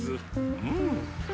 うん！